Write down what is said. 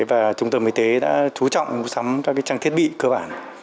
và trung tâm y tế đã chú trọng mua sắm các trang thiết bị cơ bản